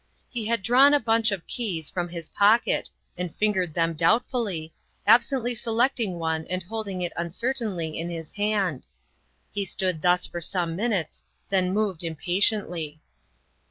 He had drawn a bunch of keys from his pocket and fingered them doubtfully, absently selecting one and holding it uncertainly in his hand. He stood thus for some minutes, then moved impatiently.